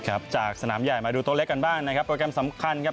ครับจากสนามใหญ่มาดูตัวเล็กกันบ้างนะครับโปรแกรมสำคัญครับ